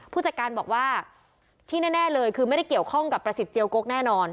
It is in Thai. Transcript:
ผู้จัดการบอกว่าที่แน่เลยคือไม่ได้เกี่ยวข้องกับประสิทธิเจียวกกแน่นอน